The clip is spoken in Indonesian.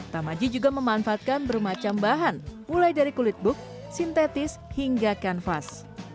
tamaji juga memanfaatkan bermacam bahan mulai dari kulit buk sintetis hingga kanvas